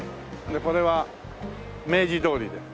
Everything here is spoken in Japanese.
でこれは明治通りで。